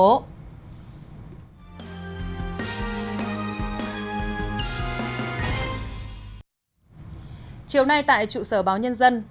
chủ tịch asean hai nghìn một mươi tám singapore khẳng định tiếp tục ủng hộ các nước campuchia lào myanmar và việt nam